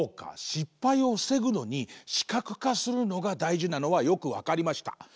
失敗をふせぐのに視覚化するのがだいじなのはよくわかりました。